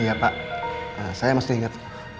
iya pak saya masih inget